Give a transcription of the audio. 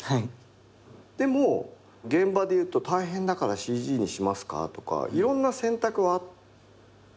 でも現場でいうと大変だからＣＧにします？とかいろんな選択はあったと思うんですよね。